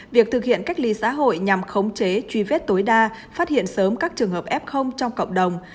việc thực hiện cách ly xã hội nhằm khống chế truy vết tối đa phát hiện sớm các trường hợp f trong cộng đồng